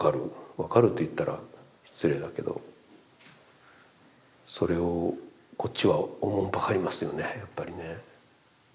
分かると言ったら失礼だけどそれをこっちはおもんぱかりますよねやっぱりね。